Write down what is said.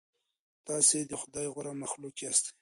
تاسې د خدای غوره مخلوق یاست.